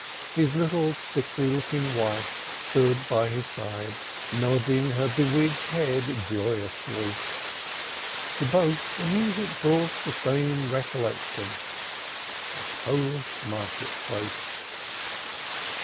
His little sickly looking wife stood by his side, nodding her bewigged head joyously. To both the music brought the same recollection a Polish market place.